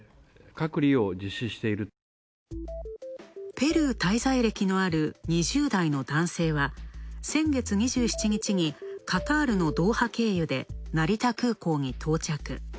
ペルー滞在歴のある２０代の男性は、先月２７日にカタールのドーハ経由で成田空港に到着。